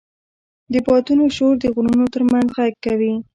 د بادونو شور د غرونو تر منځ غږ کوي.